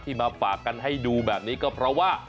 มาฝากกันให้ดูแบบนี้ก็เพราะว่า